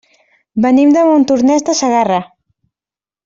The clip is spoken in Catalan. Venim de Montornès de Segarra.